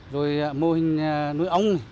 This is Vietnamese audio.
rồi mô hình nuôi ong